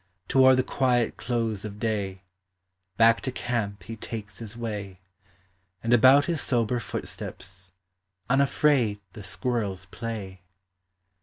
Toward the quiet close of day Back to camp he takes his way, And about his sober footsteps Unafraid the squirrels play.